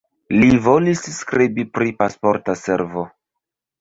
Li volis skribi pri Pasporta Servo.